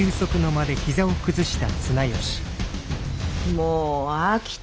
もう飽きた。